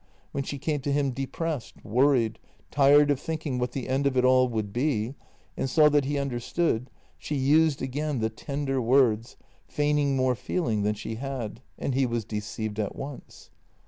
When she came to him depressed, worried, tired of thinking what the end of it all would be, and saw that he understood, she used again the tender words, feigning more feeling than she had, and he was deceived at once.